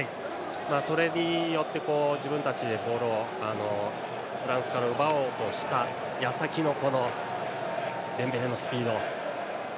それによって自分たちでボールをフランスから奪おうとした矢先のこのデンベレのスピード。